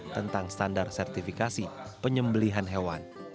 tentang standar sertifikasi penyembelihan hewan